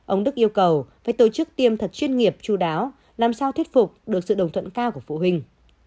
ông đức yêu cầu phải tổ chức tiêm thật chuyên nghiệp chú đáo làm sao thuyết phục được sự đồng thuận cao của phụ huynh